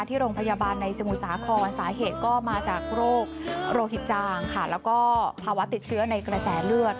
ที่โรงพยาบาลในสมุทรสาครสาเหตุก็มาจากโรคโรหิตจางค่ะแล้วก็ภาวะติดเชื้อในกระแสเลือด